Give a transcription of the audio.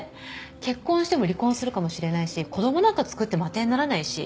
結婚しても離婚するかもしれないし子供なんか作っても当てにならないし。